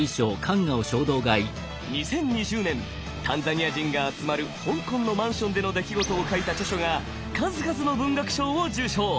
２０２０年タンザニア人が集まる香港のマンションでの出来事を書いた著書が数々の文学賞を受賞！